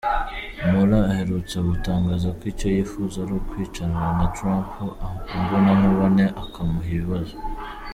Mueller aherutse gutangaza ko icyo yifuza ari ukwicarana na Trump imbonankubone akamuhata ibibazo.